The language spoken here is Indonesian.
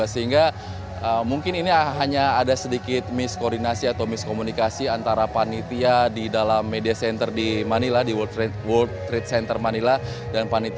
sehingga mungkin ini hanya ada sedikit miss koordinasi atau miss komunikasi antara panitia di dalam media center ini